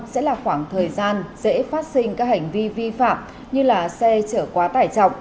sẽ là khoảng thời gian dễ phát sinh các hành vi vi phạm như xe chở quá tải trọng